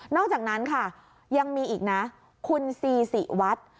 อกจากนั้นค่ะยังมีอีกนะคุณซีสิวัฒน์